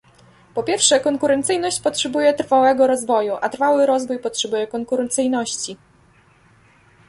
Po pierwsze, konkurencyjność potrzebuje trwałego rozwoju, a trwały rozwój potrzebuje konkurencyjności